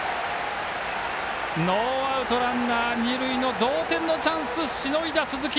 ノーアウト、ランナー、二塁の同点のチャンスをしのいだ、鈴木。